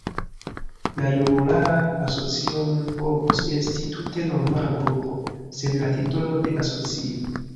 La junulara asocio mem povus esti tute normala grupo, sen la titolo de asocio.